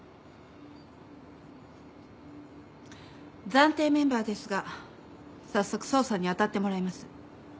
暫定メンバーですが早速捜査に当たってもらいます。